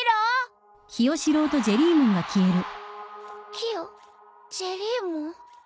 キヨジェリーモン？